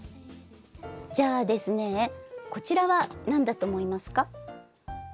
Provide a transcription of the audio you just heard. じゃあですねこちらは何だと思いますか？